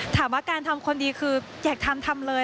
ถามว่าการทำคนดีคืออยากทำทำเลย